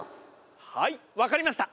はい分かりました。